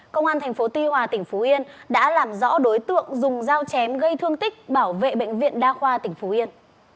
công an tp tuy hòa tỉnh phú yên đã làm rõ đối tượng dùng dao chém gây thương tích bảo vệ bệnh viện đa khoa tỉnh phú yên